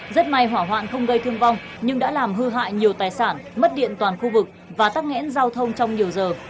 rất may hỏa hoạn không gây thương vong nhưng đã làm hư hại nhiều tài sản mất điện toàn khu vực và tắc nghẽn giao thông trong nhiều giờ